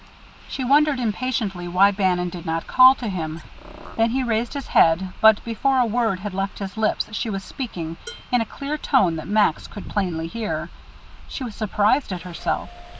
She wondered impatiently why Bannon did not call to him. Then he raised his head, but before a word had left his lips she was speaking, in a clear tone that Max could plainly hear. She was surprised at herself.